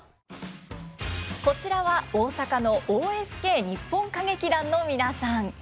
こちらは大阪のＯＳＫ日本歌劇団の皆さん。